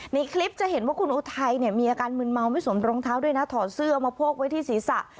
ในคลิปจะเห็นว่าคุณอุทัยเนี่ยมีอาการมืนเมาไม่สวมรองเท้าด้วยนะถอดเสื้อมาโพกไว้ที่ศีรษะ